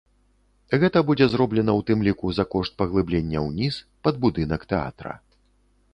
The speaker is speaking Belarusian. Гэта будзе зроблена ў тым ліку за кошт паглыблення ўніз, пад будынак тэатра.